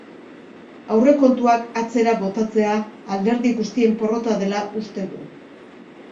Aurrekontuak atzera botatzea alderdi guztien porrota dela uste du.